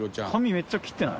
めっちゃ切ってない？